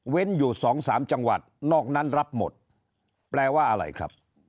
เว้นอยู่๒๓จังหวัดนอกนั้นรับหมดแปลว่าอะไรครับ